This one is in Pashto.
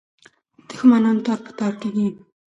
دښمنان تار په تار کېږي.